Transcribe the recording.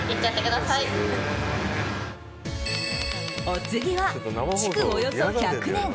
お次は、築およそ１００年